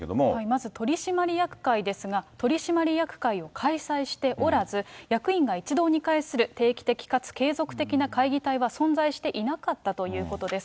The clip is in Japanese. まず取締役会ですが、取締役会を開催しておらず、役員が一堂に会する定期的かつ継続的な会議体は存在していなかったということです。